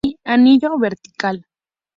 Anillo vertical.